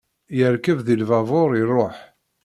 Yerkeb di lbabur, iruḥ.